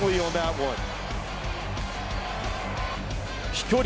飛距離